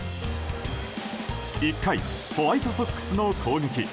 １回、ホワイトソックスの攻撃。